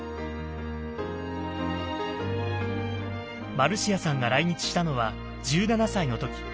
マルシアさんが来日したのは１７歳の時。